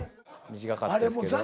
短かったですけど。